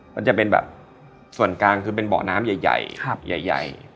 มันจะเป็นแบบส่วนกลางคือเป็นเบาะน้ำใหญ่ใหญ่ครับใหญ่ใหญ่